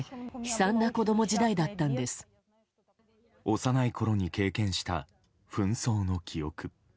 幼いころに経験した紛争の記憶。